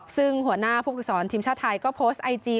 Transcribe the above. ซึ่งหัวหน้าผู้ฝึกศรทีมชาติไทยก็โพสต์ไอจี